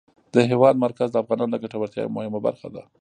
د هېواد مرکز د افغانانو د ګټورتیا یوه مهمه برخه ده.